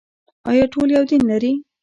آیا ټول یو دین لري؟